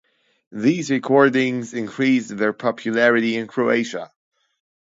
These recordings increased their popularity in Croatia.